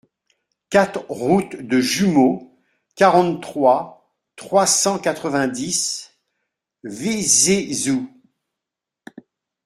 quatre route de Jumeaux, quarante-trois, trois cent quatre-vingt-dix, Vézézoux